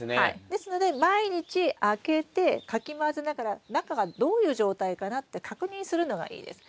ですので毎日開けてかき混ぜながら中がどういう状態かなって確認するのがいいです。